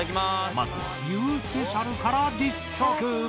まずはユウスペシャルから実食！